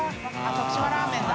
「徳島ラーメン」だ。